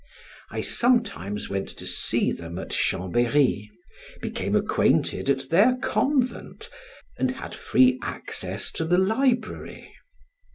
I sometimes went to see them at Chambery, became acquainted at their convent, and had free access to the library.